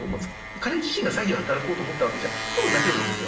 彼自身が詐欺を働こうと思ったわけじゃ多分、ないと思うんですよ。